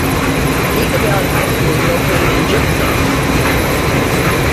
Eagle Valley High School is located in Gypsum.